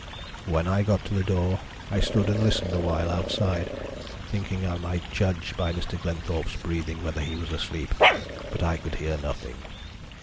When I got to the door I stood and listened awhile outside, thinking I might judge by Mr. Glenthorpe's breathing whether he was asleep, but I could hear nothing.